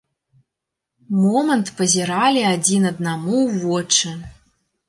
Момант пазіралі адзін аднаму ў вочы.